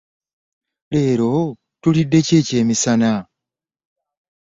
Leero tulidde ki ekyemisana?